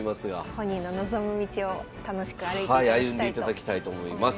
本人の望む道を楽しく歩いていただきたいと思います。